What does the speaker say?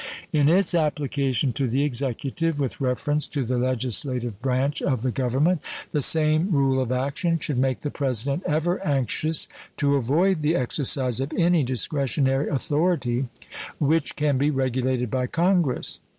In its application to the Executive, with reference to the legislative branch of the Government, the same rule of action should make the President ever anxious to avoid the exercise of any discretionary authority which can be regulated by Congress.